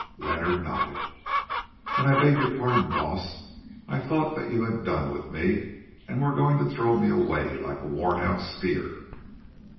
Leonard nodded. "Then I beg your pardon, Baas. I thought that you had done with me and were going to throw me away like a worn out spear."